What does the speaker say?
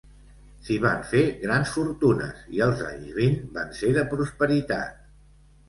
S'hi van fer grans fortunes i els anys vint van ser de prosperitat.